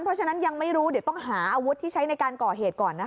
เพราะฉะนั้นยังไม่รู้เดี๋ยวต้องหาอาวุธที่ใช้ในการก่อเหตุก่อนนะคะ